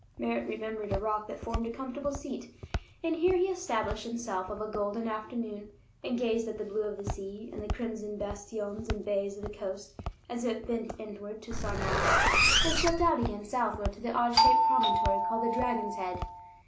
Merritt remembered a rock that formed a comfortable seat, and here he established himself of a golden afternoon, and gazed at the blue of the sea and the crimson bastions and bays of the coast as it bent inward to Sarnau and swept out again southward to the odd shaped promontory called the Dragon's Head.